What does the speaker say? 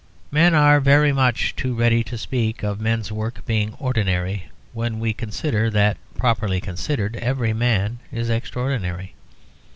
Men are very much too ready to speak of men's work being ordinary, when we consider that, properly considered, every man is extraordinary.